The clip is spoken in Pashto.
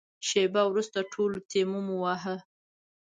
شېبه وروسته ټولو تيمم وواهه.